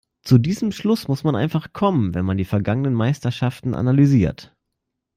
Zu diesem Schluss muss man einfach kommen, wenn man die vergangenen Meisterschaften analysiert.